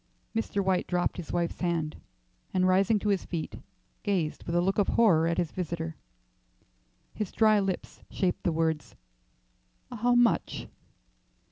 Mr. White dropped his wife's hand, and rising to his feet, gazed with a look of horror at his visitor. His dry lips shaped the words, "How much?"